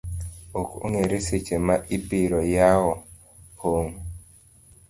Ok ong’ere seche ma ibiroyawoe pong'